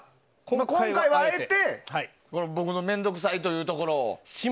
今回はあえて僕の面倒くさいというところを。